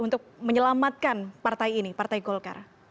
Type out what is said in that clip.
untuk menyelamatkan partai ini partai golkar